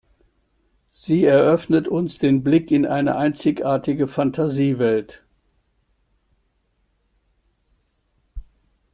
Sie eröffnet uns den Blick in eine einzigartige Fantasiewelt.